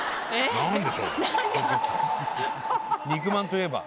肉まんといえば。